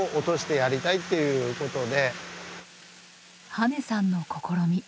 羽根さんの試み。